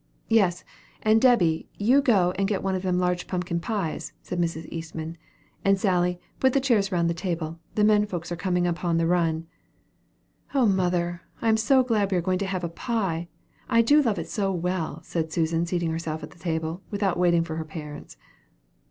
"Yes; and Debby, you go and get one of them large pumpkin pies," said Mrs. Eastman. "And Sally, put the chairs round the table; the men folks are coming upon the run." "Oh, mother! I am so glad you are going to have pie! I do love it so well," said Susan, seating herself at the table, without waiting for her parents.